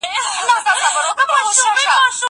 هغه وویل چې زه درس لولم؟!